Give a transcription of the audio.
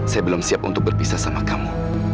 saya belum siap untuk berpisah sama kamu